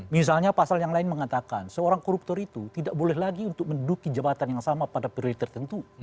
misalnya pasal yang lain mengatakan seorang koruptor itu tidak boleh lagi untuk menduduki jabatan yang sama pada periode tertentu